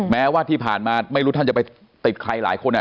แม้ว่าที่ผ่านมาไม่รู้ท่านจะไปติดใครหลายคน